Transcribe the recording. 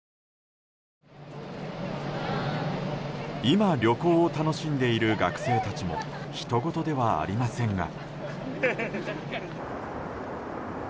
今、旅行を楽しんでいる学生たちもひとごとではありませんが。